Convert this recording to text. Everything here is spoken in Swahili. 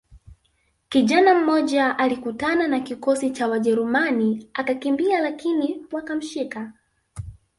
Kijana mmoja alikutana na kikosi cha wajerumani akakimbia lakini wakamshika